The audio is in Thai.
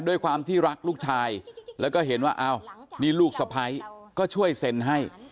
ด้วยความที่รักลูกชายแล้วก็เห็นว่าอ้าวนี่ลูกสะพ้ายก็ช่วยเซ็นให้